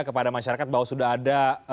kepada masyarakat bahwa sudah ada